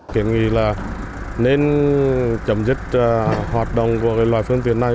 kiểm nghi là nên chấm dứt hoạt động của loại phương tiện này